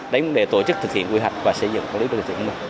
đấy là mục đề tổ chức thực hiện quy hoạch và xây dựng đô thị thông minh